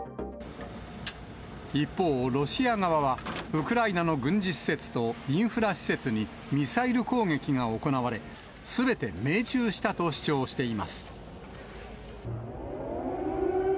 一方、ロシア側は、ウクライナの軍事施設とインフラ施設にミサイル攻撃が行われ、すべて命中したと主張しています。